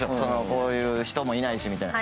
こういう人もいないしという。